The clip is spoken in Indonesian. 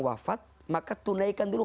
wafat maka tunaikan dulu